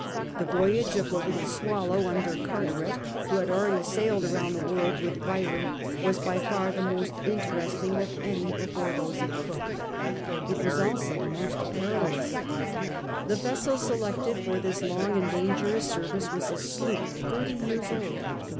The voyage of the little Swallow, under Car teret, who had already sailed round the world with Byron, was by far thq most interesting of any before 62 CAPTAIN COOK OHAP. those of Cook. It was also the most perilous. The vessel selected for this long and dangerous service was a sloop, thirty years old.